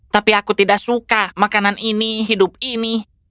tapi aku tidak suka makanan ini hidup ini